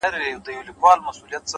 څوك راته ډاډ راكوي!!